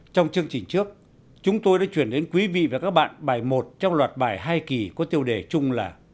trong chương trình trước chúng tôi đã chuyển đến quý vị và các bạn bài một trong loạt bài hai kỳ có tiêu đề chung là